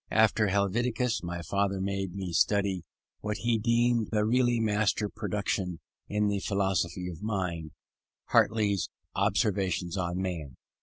After Helvetius, my father made me study what he deemed the really master production in the philosophy of mind, Hartley's Observations on Man.